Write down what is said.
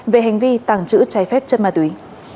về hành vi tàng trữ trái phép chất ma túy